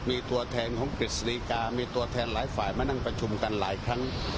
มีตัวแทนของกฤษฎีกามีตัวแทนหลายฝ่ายมานั่งประชุมกันหลายครั้ง